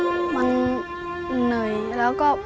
มาเรียนก็ไม่รู้เรื่องบ้างค่ะ